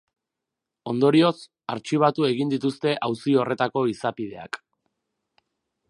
Ondorioz, artxibatu egin dituzte auzi horretako izapideak.